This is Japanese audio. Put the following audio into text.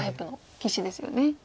棋士ですよね。